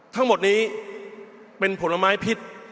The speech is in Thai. ทั้งหมดนี้เป็นผลไม้พิษ